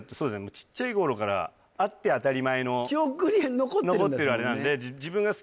ちっちゃい頃からあって当たり前の記憶に残ってるんですもんね